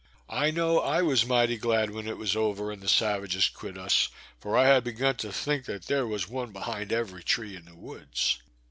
I know I was mighty glad when it was over, and the savages quit us, for I had begun to think there was one behind every tree in the woods.